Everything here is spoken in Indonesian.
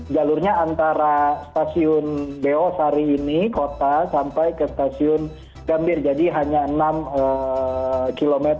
jalurnya antara stasiun beosari ini kota sampai ke stasiun gambir jadi hanya enam km